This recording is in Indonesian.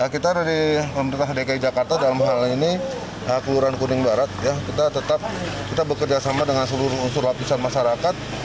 kita dari pemerintah dki jakarta dalam hal ini kelurahan kuning barat kita tetap kita bekerjasama dengan seluruh unsur lapisan masyarakat